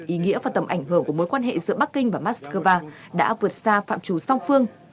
ý nghĩa và tầm ảnh hưởng của mối quan hệ giữa bắc kinh và moscow đã vượt xa phạm trù song phương